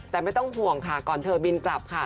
แต่ไม่ต้องห่วงค่ะก่อนเธอบินกลับค่ะ